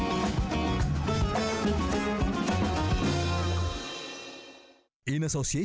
berarti di ngabung burit ini semua adalah favoritnya bu kofi fah ya